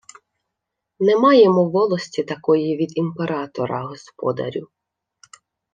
— Не маємо волості такої від імператора, господарю.